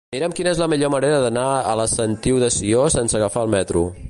Mira'm quina és la millor manera d'anar a la Sentiu de Sió sense agafar el metro.